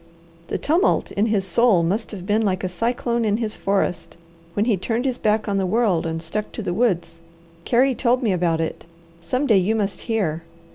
The tumult in his soul must have been like a cyclone in his forest, when he turned his back on the world and stuck to the woods. Carey told me about it. Some day you must hear.